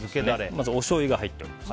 まず、おしょうゆが入っています。